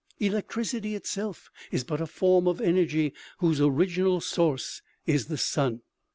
Electricity itself is but a form of energy whose original source is the sun.